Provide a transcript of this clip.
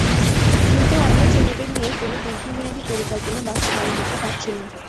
কিন্তু আমরা ছেলেদের নিয়ে কোনো দীর্ঘমেয়াদি পরিকল্পনা বাস্তবায়ন করতে পারছি না।